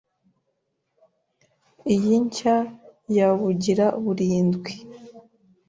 iyi nshya yabugira burindwi